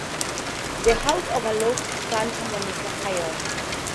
The house overlooks Santa Monica Canyon.